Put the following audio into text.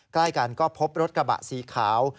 ใกล้กันก็พบรถกระบะสีขาว